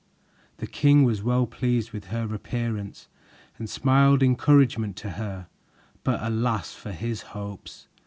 The king was well pleased with her appearance and smiled encouragement to her, but alas for his hopes!